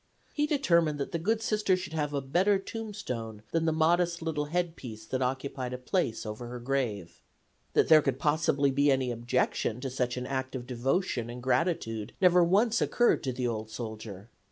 He determined that the good Sister should have a better tombstone than the modest little headpiece that occupied a place over her grave. That there could possibly be any objection to such an act of devotion and gratitude never once occurred to the old soldier.